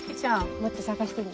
もっと探して。